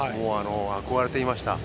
憧れていました。